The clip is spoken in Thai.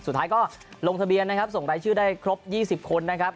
สุดท้ายก็ลงทะเบียนนะครับส่งรายชื่อได้ครบ๒๐คนนะครับ